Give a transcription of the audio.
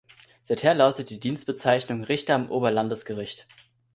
Seither lautet die Dienstbezeichnung: Richter am Oberlandesgericht.